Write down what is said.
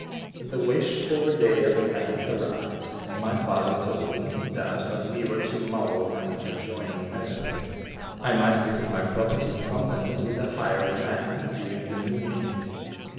The wished for day at length arrived and my father told me that as we were to mow an adjoining meadow, I might visit my property in company with the hired man during the "nooning."